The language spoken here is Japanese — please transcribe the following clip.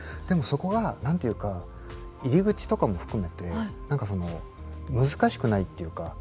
でもそこが何て言うか入り口とかも含めて何かその難しくないっていうか。